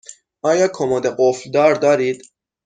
آیا کمد قفل دار دارید؟